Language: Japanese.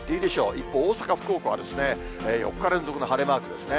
一方、大阪、福岡は、４日連続の晴れマークですね。